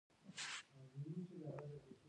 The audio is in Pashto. د کنو او سپږو لپاره کوم درمل وکاروم؟